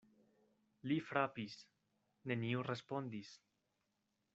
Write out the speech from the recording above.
Li frapis: neniu respondis.